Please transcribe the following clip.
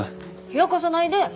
冷やかさないで。